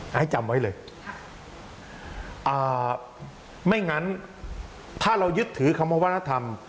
ให้จำไว้เลยค่ะอ่าไม่งั้นถ้าเรายึดถือคำว่าวัฒนธรรม